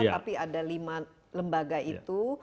tapi ada lima lembaga itu